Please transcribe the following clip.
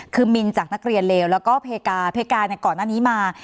คือมินจากนักเรียนเลวแล้วก็เพกาก่อนหน้านี้มา